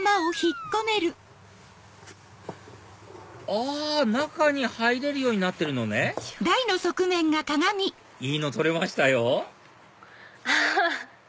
あ中に入れるようになってるのねいいの撮れましたよアハハ！